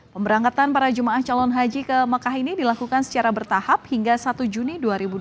pemberangkatan para jemaah calon haji ke mekah ini dilakukan secara bertahap hingga satu juni dua ribu dua puluh